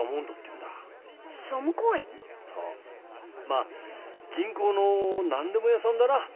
まあ銀行のなんでも屋さんだな。